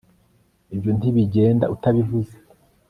ibyo ntibigenda utabivuze